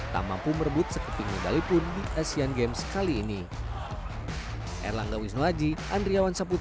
tak mampu merebut sekeping medali pun di asian games kali ini